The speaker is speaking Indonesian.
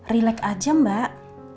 relax aja mbak